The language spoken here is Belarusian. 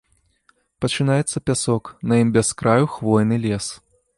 Пачынаецца пясок, на ім без краю хвойны лес.